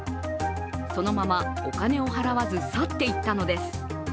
そのままお金を払わず去って行ったのです。